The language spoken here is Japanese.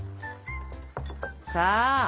さあ！